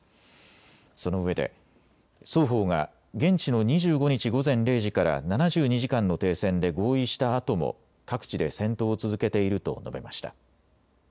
そのうえで双方が現地の２５日午前０時から７２時間の停戦で合意したあとも各地で戦闘を続けていると述べました。